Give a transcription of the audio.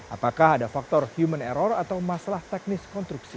apakah ada faktor human error atau masalah teknis konstruksi